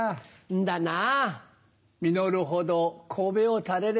んだなぁ。